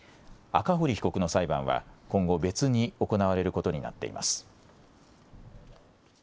赤堀被告の裁判は今後別に行われることになっています。